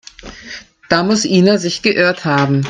Da muss Ina sich geirrt haben.